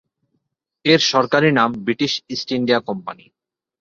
এর সরকারি নাম "ব্রিটিশ ইস্ট ইন্ডিয়া কোম্পানি"।